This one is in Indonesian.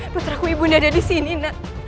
putraku ibu ini ada di sini nak